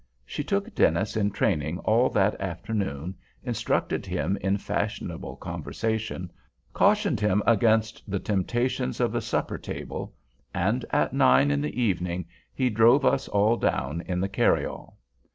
She took Dennis in training all that afternoon, instructed him in fashionable conversation, cautioned him against the temptations of the supper table—and at nine in the evening he drove us all down in the carryall.